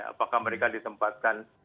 apakah mereka ditempatkan